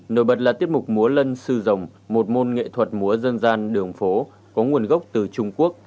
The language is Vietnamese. nổi bật là tiết mục múa lân sư dòng một môn nghệ thuật múa dân gian đường phố có nguồn gốc từ trung quốc